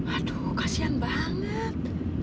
aduh kasihan banget